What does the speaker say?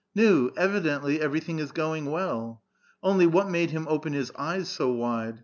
Nu ! evidently every thing is going well. Only what made him open his eyes so wide?